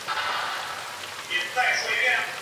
兴建了在各种教学楼中间的公用绿地。